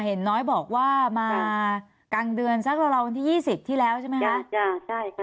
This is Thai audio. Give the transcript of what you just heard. เห็นน้อยบอกว่ามากลางเดือนสักรอบรรวมที่ยี่สิบที่แล้วใช่ไหมคะจ้ะใช่ค่ะ